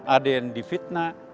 ada yang difitnah